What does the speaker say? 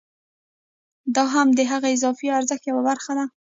دا هم د هغه اضافي ارزښت یوه برخه ده